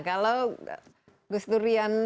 kalau gus durian apa pendapat anda